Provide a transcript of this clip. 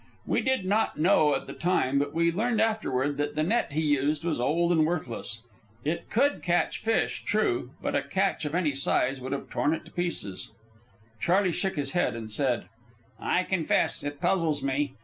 We did not know at the time, but we learned afterward, that the net he used was old and worthless. It could catch fish, true; but a catch of any size would have torn it to pieces. Charley shook his head and said: "I confess, it puzzles me.